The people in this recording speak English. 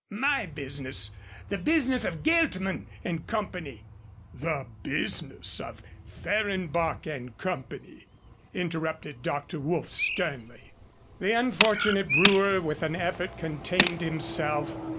"My business the business of Geltman and Company " "The business of Fehrenbach and Company," interrupted Dr. Woolf sternly. The unfortunate brewer with an effort contained himself.